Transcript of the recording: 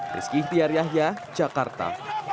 rizky tiar yahya jakarta